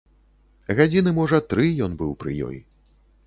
Гадзіны, можа, тры ён быў пры ёй.